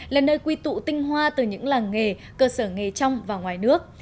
là nơi quy tụ tinh hoa từ những làng nghề cơ sở nghề trong và ngoài nước